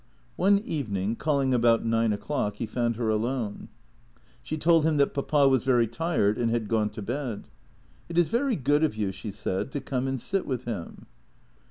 One evening, calling about nine o'clock, he found her alone. She told him that Papa was very tired and had gone to bed. " It is very good of you," she said, " to come and sit with him."